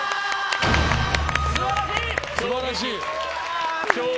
素晴らしい！